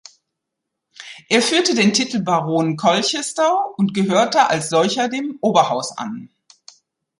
Er führte den Titel Baron Colchester und gehörte als solcher dem Oberhaus an.